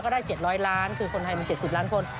ได้๗๐๐ล้านคือคนไทยมัน๗๐ล้านคน